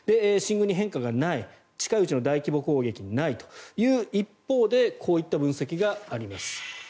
進軍に変化がない近いうちの大規模攻撃もないという一方でこういった分析があります。